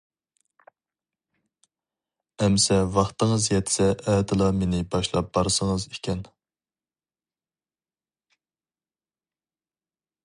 ئەمسە ۋاقتىڭىز يەتسە ئەتىلا مېنى باشلاپ بارسىڭىز ئىكەن.